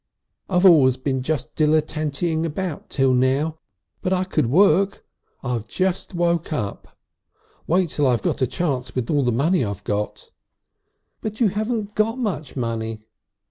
"I've always been just dilletentytating about till now, but I could work. I've just woke up. Wait till I've got a chance with the money I've got." "But you haven't got much money!"